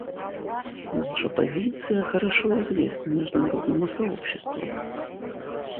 Наша позиция хорошо известна международному сообществу.